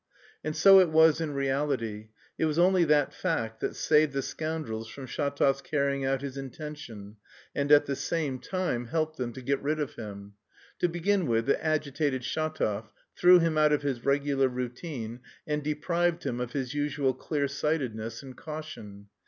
And so it was in reality; it was only that fact that saved the "scoundrels" from Shatov's carrying out his intention, and at the same time helped them "to get rid of him." To begin with, it agitated Shatov, threw him out of his regular routine, and deprived him of his usual clear sightedness and caution.